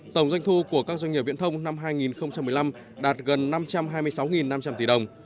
tổng doanh thu của các doanh nghiệp viễn thông năm hai nghìn một mươi năm đạt gần năm trăm hai mươi sáu năm trăm linh tỷ đồng